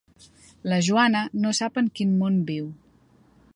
La Joana no sap en quin món viu.